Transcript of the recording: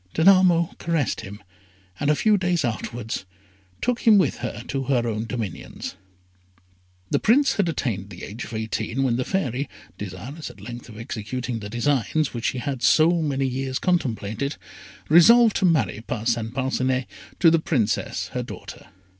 Danamo caressed him, and a few days afterwards took him with her to her own dominions. The Prince had attained the age of eighteen, when the Fairy, desirous at length of executing the designs which she had so many years contemplated, resolved to marry Parcin Parcinet to the Princess, her daughter.